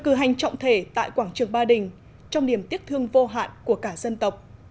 cử hành trọng thể tại quảng trường ba đình trong niềm tiếc thương vô hạn của cả dân tộc